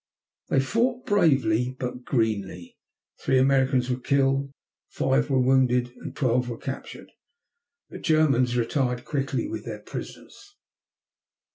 They fought bravely but greenly. Three Americans were killed, five were wounded, and twelve were captured. The Germans retired quickly with their prisoners.